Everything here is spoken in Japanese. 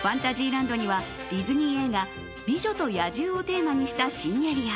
ランドにはディズニー映画「美女と野獣」をテーマにした新エリア。